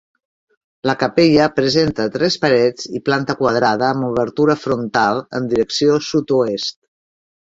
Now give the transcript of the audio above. La capella presenta tres parets i planta quadrada amb obertura frontal en direcció sud-oest.